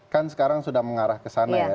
kan sekarang sudah mengarah kesana ya